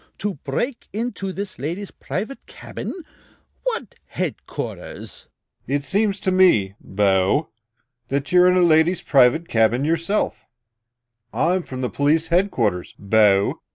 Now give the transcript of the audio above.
To break into this lady's private cabin? What headquarters?" "It seems to me, bo, that you're in a lady's private cabin yourself. I'm from police headquarters, bo!"